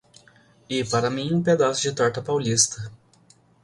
E para mim um pedaço de torta paulista.